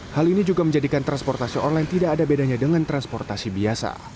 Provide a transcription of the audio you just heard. hal ini juga menjadikan transportasi online tidak ada bedanya dengan transportasi biasa